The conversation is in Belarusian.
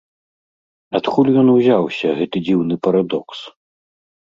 Адкуль ён узяўся, гэты дзіўны парадокс?